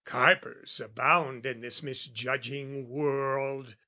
Carpers abound in this misjudging world.